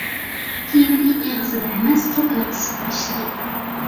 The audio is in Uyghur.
پىۋىنى ئېغىزىدا ئەمەس، چوكىدا قىسىپ ئاچتى.